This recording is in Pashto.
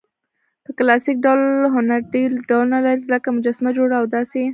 په کلاسیک ډول هنرډېر ډولونه لري؛ لکه: مجسمه، جوړول او داسي...